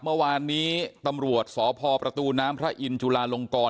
เมื่อวานนี้ตำรวจสพประตูน้ำพระอินทร์จุลาลงกร